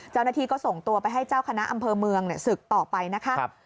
เจ้าหน้าที่ก็ส่งตัวไปให้เจ้าคณะอำเภอเมืองศึกต่อไปนะคะ